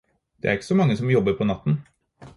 Det er ikke så mange som jobber på natten.